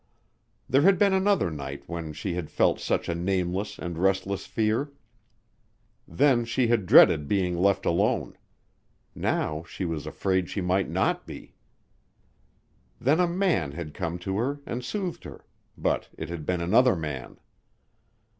There had been another night when she had felt such a nameless and restless fear. Then she had dreaded being left alone. Now she was afraid she might not be. Then a man had come to her and soothed her, but it had been another man.